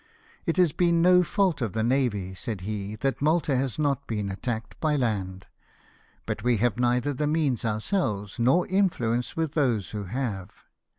" It has been no fault of the navy," said he, " that Malta has not been attacked by land, but we have neither the means ourselves nor influence with those who have."